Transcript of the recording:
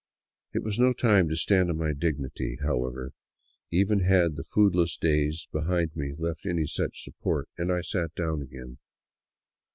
It was no time to stand on my dignity, however, even had the foodless days behind left me any such support, and I sat down again.